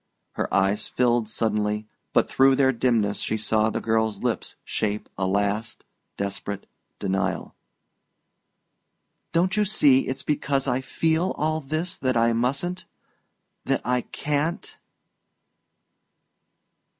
Her eyes filled suddenly, but through their dimness she saw the girl's lips shape a last desperate denial: "Don't you see it's because I feel all this that I mustn't that I can't?"